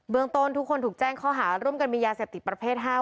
เบื้องต้นทุกคนถูกแจ้งเขาหาร่วมกันมียาเสพติดประเภทห้า